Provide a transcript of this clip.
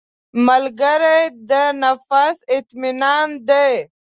ملګری د نفس اطمینان دی